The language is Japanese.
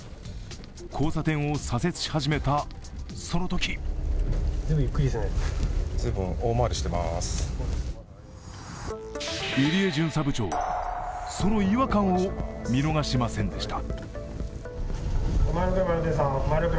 交差点を左折し始めた、そのとき入江巡査部長は、その違和感を見逃しませんでした。